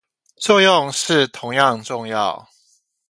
作用是同樣重要